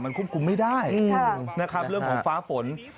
มันควบคุมไม่ได้เรื่องของฟ้าฝน